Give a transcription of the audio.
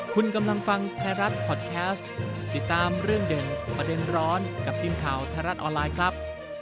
คุณกำลังฟังไทยรัฐพอดแคสต์ติดตามเรื่องเด่นประเด็นร้อนกับทีมข่าวไทยรัฐออนไลน์ครับ